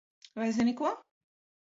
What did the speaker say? Vai zini ko?